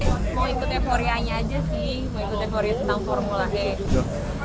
mau ikut euforianya aja sih mau ikut euforia tentang formula e